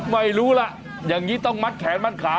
ไม่รู้ล่ะอย่างนี้ต้องมัดแขนมัดขา